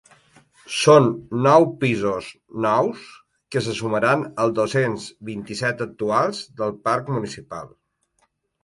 Són nou pisos nous que se sumaran als dos-cents vint-i-set actuals del parc municipal.